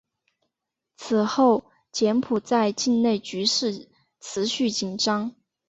此后柬埔寨境内局势持续紧张。